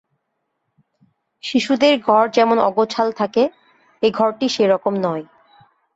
শিশুদের ঘর যেমন অগোছাল থাকে, এ ঘরটি সে-রকম নয়।